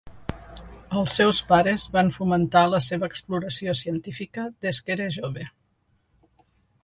Els seus pares van fomentar la seva exploració científica des que era jove.